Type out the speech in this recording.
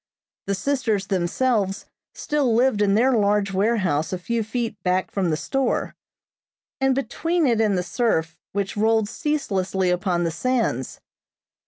The sisters themselves still lived in their large warehouse a few feet back from the store, and between it and the surf which rolled ceaselessly upon the sands.